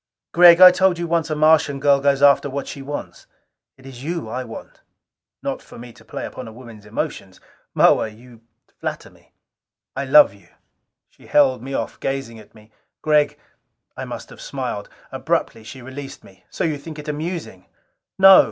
"Gregg, I told you once a Martian girl goes after what she wants. It is you I want " Not for me to play upon a woman's emotions! "Moa, you flatter me." "I love you." She held me off, gazing at me. "Gregg " I must have smiled. Abruptly she released me. "So you think it amusing?" "No.